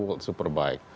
kemudian ada superbike